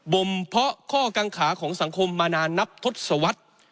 บ่มเพาะข้อกางขาของสังคมมานานนับทดสวัสดิ์